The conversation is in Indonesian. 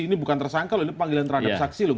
ini bukan tersangka loh ini panggilan terhadap saksi loh